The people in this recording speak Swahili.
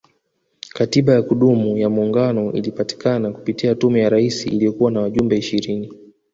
Katiba ya kudumu ya muungano ilipatikana kupitia Tume ya Rais iliyokuwa na wajumbe ishirini